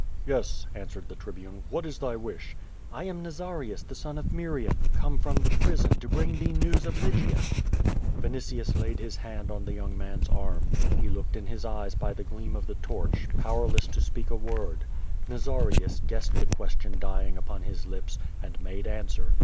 Yes," answered the Tribune, "what is thy wish?" 'I am Nazarius, the son of Miriam; [ come from theprison, to bring tlicc news of Lygia/ Yinitius laid his hand on the young iimn*s arm. He looked in his eyes by the gleam of the torch, pBiverless to speak a word. Xazarius guessed the question d3'ingjupon his lips, and made answer.